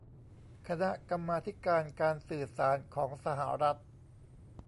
คณะกรรมาธิการการสื่อสารของสหรัฐ